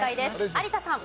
有田さん。